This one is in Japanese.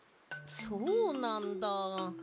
そうなんだ。